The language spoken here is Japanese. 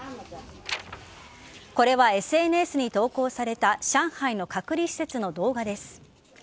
これはＳＮＳに投稿された上海の隔離施設の動画です。